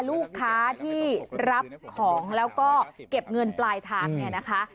ลูกค้าที่รับของแล้วก็เก็บเงินปลายทางเนี่ยนะคะ